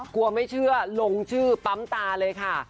กลัวไม่เชื่อลงชื่อปั๊มตาเลยค่ะ